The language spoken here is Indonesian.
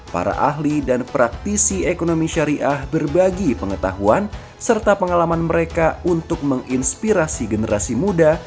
para ahli dan praktisi ekonomi syariah berbagi pengetahuan serta pengalaman mereka untuk menginspirasi generasi muda